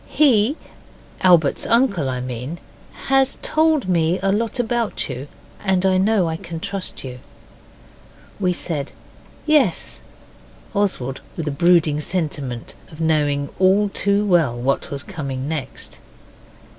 He, Albert's uncle, I mean, has told me a lot about you, and I know I can trust you.' We said 'Yes', Oswald with a brooding sentiment of knowing all too well what was coming next.